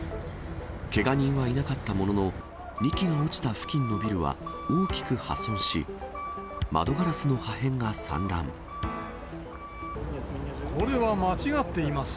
けが人はいなかったものの、２機が落ちた付近のビルは大きく破損し、これは間違っています。